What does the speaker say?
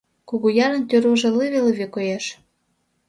Кугуярын тӱрвыжӧ лыве-лыве коеш.